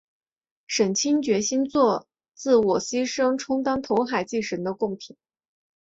沈清决心作自我牺牲充当投海祭神的供品。